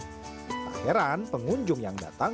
tak heran pengunjung yang datang